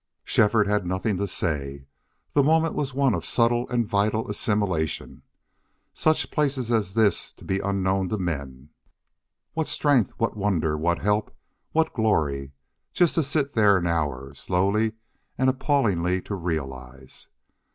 Shefford had nothing to say. The moment was one of subtle and vital assimilation. Such places as this to be unknown to men! What strength, what wonder, what help, what glory, just to sit there an hour, slowly and appallingly to realize!